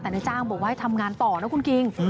แต่นายจ้างบอกว่าให้ทำงานต่อนะคุณคิง